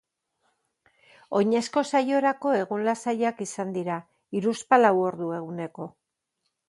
Oinezko saiorako egun lasaiak izan dira, hiruzpalau ordu eguneko.